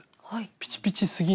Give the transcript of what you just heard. ピチピチすぎない。